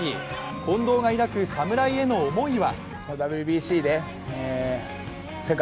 近藤が抱く侍への思いは。